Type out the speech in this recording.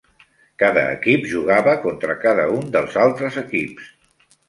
Cada equip jugava contra cada un dels altres equips.